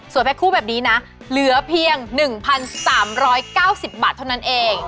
แพ็คคู่แบบนี้นะเหลือเพียง๑๓๙๐บาทเท่านั้นเอง